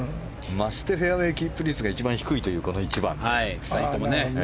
ましてフェアウェーキープ率が一番低いというこの１番。